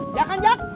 iya kan jak